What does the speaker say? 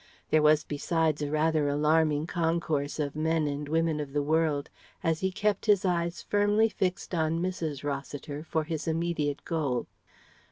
There was besides a rather alarming concourse of men and women of the world as he kept his eyes firmly fixed on Mrs. Rossiter for his immediate goal.